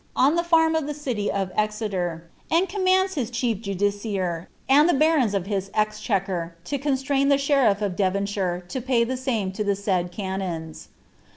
on the farm of the city of Exeter, and commands his chief justiciar and the barons of his ex chequer to constrain the sheriflf (^ Devonshire to pay the same to the aid canons."'